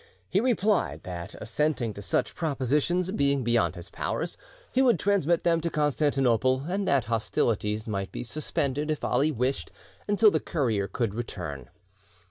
He replied that, assenting to such propositions being beyond his powers, he would transmit them to Constantinople, and that hostilities might be suspended, if Ali wished, until the courier, could return.